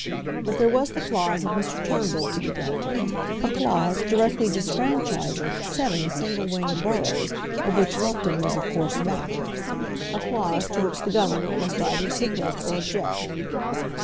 But there was the clause of Mr. Turnbull to be dealt with, a clause directly disfranchising seven single winged boroughs, of which Loughton was of course one, a clause to which the Government must either submit or object.